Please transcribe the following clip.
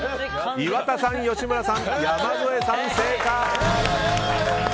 岩田さん、吉村さん山添さん、正解！